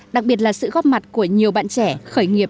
đặc biệt là sự góp mặt của nhiều bạn trẻ khởi nghiệp